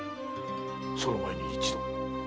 その前に一度。